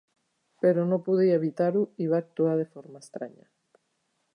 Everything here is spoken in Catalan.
Però no podia evitar-ho i va actuar de forma estranya.